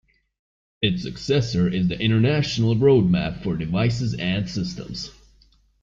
Its successor is the International Roadmap for Devices and Systems.